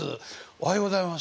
おはようございます。